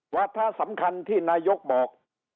วาธะสำคัญที่นายกบอก